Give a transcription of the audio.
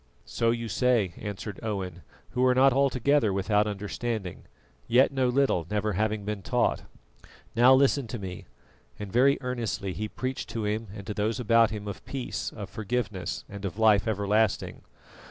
"So you say," answered Owen, "who are not altogether without understanding, yet know little, never having been taught. Now listen to me," and very earnestly he preached to him and those about him of peace, of forgiveness, and of life everlasting.